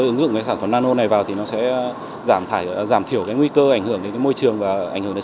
chúng tôi ứng dụng sản phẩm nano này vào thì giảm thiểu nguy cơ ảnh hưởng đến môi trường và ảnh hưởng đến sức khỏe của con vật